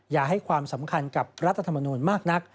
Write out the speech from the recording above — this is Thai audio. อย่าให้ความสำคัญกับรัฐธรรมนูลมากนัก